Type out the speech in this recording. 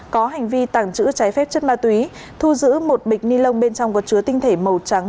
có hành vi tàng trữ trái phép chất ma túy thu giữ một bịch ni lông bên trong có chứa tinh thể màu trắng